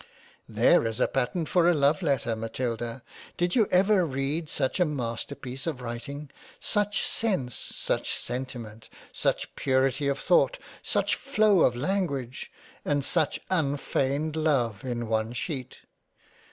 There is a pattern for a Love letter Matilda ! Did you ever read such a master piece of Writing ? Such sense, such III £ A COLLECTION OF LETTERS £ sentiment, such purity of Thought, such flow of Language and such unfeigned Love in one sheet